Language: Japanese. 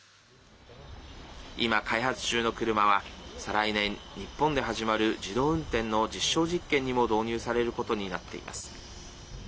今、開発中の車は再来年日本で始まる自動運転の実証実験にも導入されることになっています。